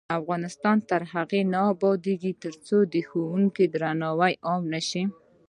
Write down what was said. افغانستان تر هغو نه ابادیږي، ترڅو د ښوونکي درناوی عام نشي.